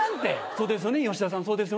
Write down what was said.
そうですよね吉田さん。